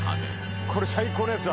「これ最高のやつだ」